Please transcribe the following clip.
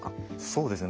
そうですね